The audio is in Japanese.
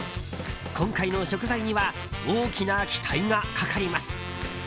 今回の食材には大きな期待がかかります。